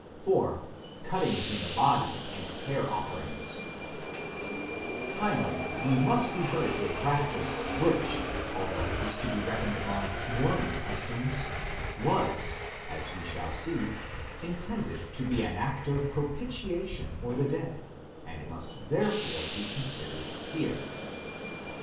CUTTINGS IN THE BODY AND HAIR OFFERINGS Finally, we must refer to a practice which, although it is to be reckoned among mourning customs, was, as we shall see, intended to be an act of propitiation for the dead, and must therefore be considered here.